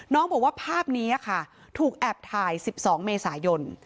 บอกว่าภาพนี้ค่ะถูกแอบถ่าย๑๒เมษายน